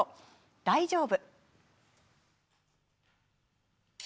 「大丈夫」。